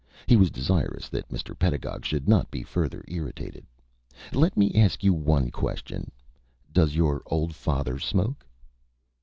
He was desirous that Mr. Pedagog should not be further irritated. "Let me ask you one question. Does your old father smoke?"